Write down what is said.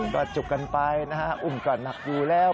ก็จุกกันไปนะฮะอุ้มก็หนักอยู่แล้ว